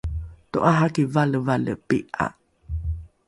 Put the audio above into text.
to’araki valevale pi’a